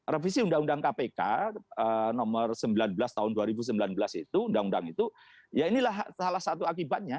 revisi undang undang kpk nomor sembilan belas tahun dua ribu sembilan belas itu undang undang itu ya inilah salah satu akibatnya